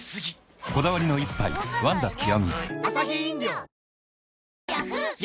こだわりの一杯「ワンダ極」